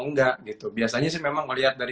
enggak gitu biasanya sih memang melihat dari